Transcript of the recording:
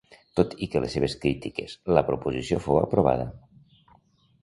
Tot i que les seves crítiques, la proposició fou aprovada.